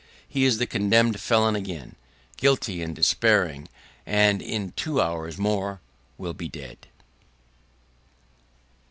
He is the condemned felon again, guilty and despairing; and in two hours more will be dead.